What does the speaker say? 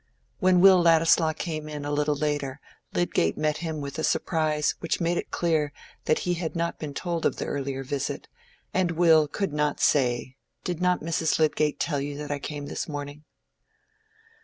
When Will Ladislaw came in a little later Lydgate met him with a surprise which made it clear that he had not been told of the earlier visit, and Will could not say, "Did not Mrs. Lydgate tell you that I came this morning?"